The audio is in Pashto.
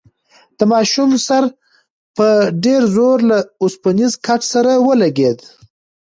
د ماشوم سر په ډېر زور له اوسپنیز کټ سره ولگېد.